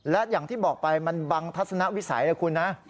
และอย่างที่บอกไปมันบังทัศนวิสัยนะคุณนะ